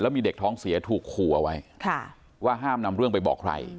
มีเด็กท้องเสียถูกขู่เอาไว้ว่าห้ามนำเรื่องไปบอกใคร